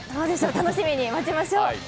楽しみに待ちましょう。